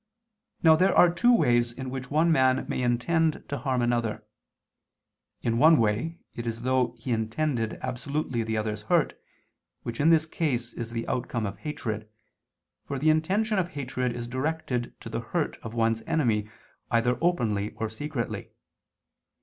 Now there are two ways in which one man may intend to harm another. In one way it is as though he intended absolutely the other's hurt, which in this case is the outcome of hatred, for the intention of hatred is directed to the hurt of one's enemy either openly or secretly.